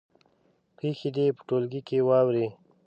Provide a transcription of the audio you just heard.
پېښې دې په ټولګي کې واوروي.